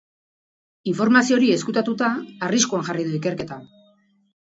Informazio hori ezkutatuta arriskuan jarri du ikerketa.